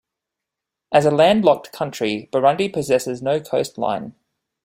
As a landlocked country, Burundi possesses no coastline.